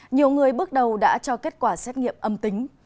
nhiều người bước đầu đã cho kết quả xét nghiệm âm tính